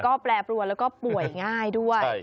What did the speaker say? ก็แปรปรวนแล้วก็ป่วยง่ายด้วย